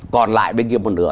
còn lại bên kia một nửa